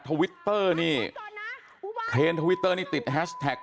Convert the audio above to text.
ทวิตเตอร์นี่เทรนด์ทวิตเตอร์นี่ติดแฮชแท็ก